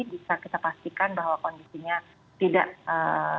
bisa kita pastikan bahwa kondisinya tidak terjadi penularan antara mereka